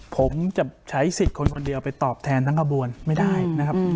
ผมจะใช้สิทธิ์คนคนเดียวไปตอบแทนทั้งขบวนไม่ได้นะครับ